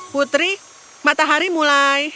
putri matahari mulai